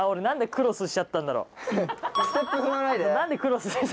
何でクロスしちゃったんだろう。